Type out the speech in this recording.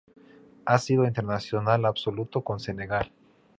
Ha sido Internacional Absoluto con Senegal.